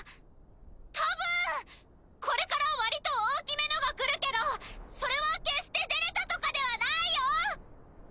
たぶんこれから割と大きめのがくるけどそれは決してデレたとかではないよ！